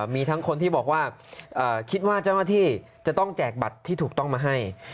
มีทั้งคนที่บอกว่าคิดว่าเจ้าหน้าที่จะต้องแจกบัตรที่ถูกต้องมาให้